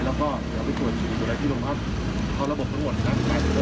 แม่ก็ให้โอกาสแม่